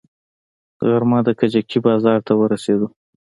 غرمه د کجکي بازار ته ورسېدم.